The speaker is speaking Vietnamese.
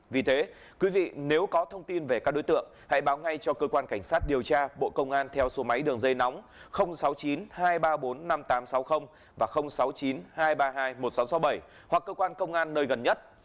vì thế quý vị nếu có thông tin về các đối tượng hãy báo ngay cho cơ quan cảnh sát điều tra bộ công an theo số máy đường dây nóng sáu mươi chín hai trăm ba mươi bốn năm nghìn tám trăm sáu mươi và sáu mươi chín hai trăm ba mươi hai một nghìn sáu trăm sáu mươi bảy hoặc cơ quan công an nơi gần nhất